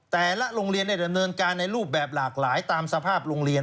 แต่ละโรงเรียนได้ดำเนินการในรูปแบบหลากหลายตามสภาพโรงเรียน